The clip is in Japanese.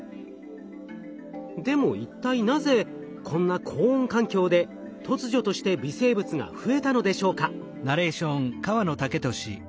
でも一体なぜこんな高温環境で突如として微生物が増えたのでしょうか？